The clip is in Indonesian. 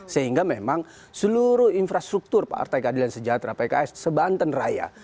sehingga memang seluruh infrastruktur pak artai keadilan sejahtera pks se banten raya